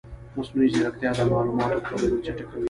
مصنوعي ځیرکتیا د معلوماتو خپرېدل چټکوي.